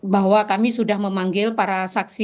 bahwa kami sudah memanggil para saksi